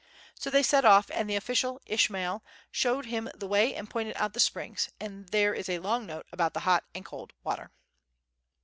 So they set off and the official, Ismail, showed him the way and pointed out the springs, and there is a long note about the hot and cold water.